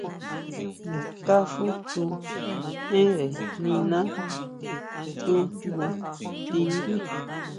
Naská xu tsú énnre niná tsú jngu ti ndí.